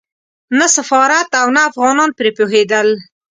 نه سفارت او نه افغانان پرې پوهېدل.